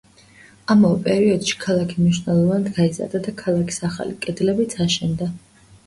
ამავე პერიოდში ქალაქი მნიშვნელოვნად გაიზარდა და ქალაქის ახალი კედლებიც აშენდა.